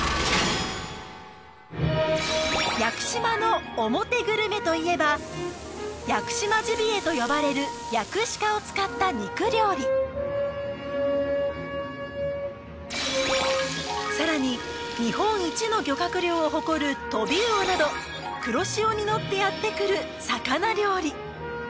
屋久島のオモテグルメといえば「屋久島ジビエ」と呼ばれるヤクシカを使った肉料理さらに日本一の漁獲量を誇る「トビウオ」など黒潮にのってやってくる魚料理